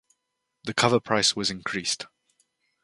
The cover price was increased.